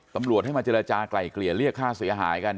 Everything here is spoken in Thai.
ตำรวจให้มาเจรจากลายเกลี่ยเรียกค่าเสียหายกัน